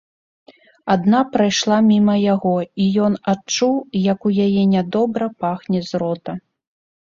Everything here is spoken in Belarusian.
Адна прайшла міма яго, і ён адчуў, як у яе нядобра пахне з рота.